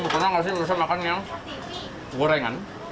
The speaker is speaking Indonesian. karena nggak sih mirasnya makan yang gorengan